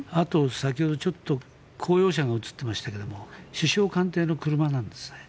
先ほどちょっと公用車が映っていましたが首相官邸の車なんですね。